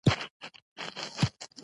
پر هرګام چي شکر باسم له اخلاصه